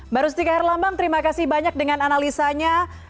baru setika her lambang terima kasih banyak dengan analisanya